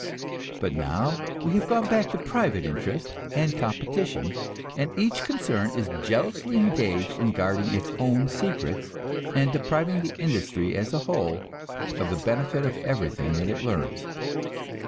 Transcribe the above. But now we have gone back to private interest and competition, and each concern is jealously engaged in guarding its own secrets, and depriving industry as a whole of the benefit of everything that it learns.